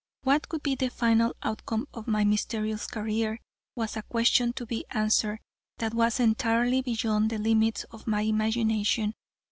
What would be the final outcome of my mysterious career, was a question to be answered that was entirely beyond the limits of my imagination.